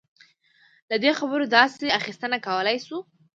له دې خبرو داسې اخیستنه کولای شو.